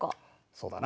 そうだな。